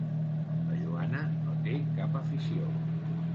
La Joana no té cap afició.